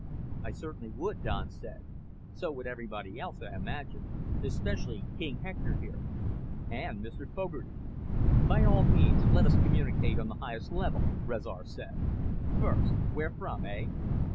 "I certainly would," Don said. "So would everybody else, I imagine, especially King Hector here, and Mr. Fogarty." "By all means let us communicate on the highest level," Rezar said. "First, where from, eh?"